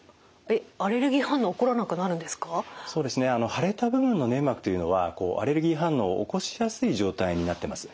腫れた部分の粘膜というのはアレルギー反応を起こしやすい状態になってます。